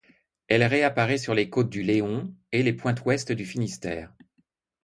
Elle réapparaît sur les côtes du Léon et les pointes ouest du Finistère.